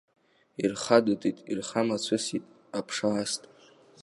Ирхадыдит, ирхамацәысит, аԥша аст.